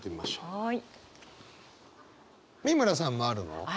はい。